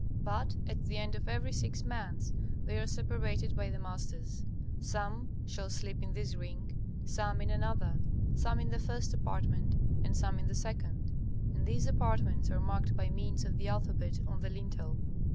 But at the end of every six months they are separated by the masters. Some shall sleep in this ring, some in another; some in the first apartment, and some in the second; and these apartments are marked by means of the alphabet on the lintel.